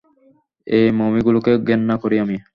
এই মমিগুলোকে ঘেন্না করি আমি!